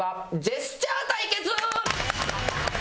ジェスチャー対決？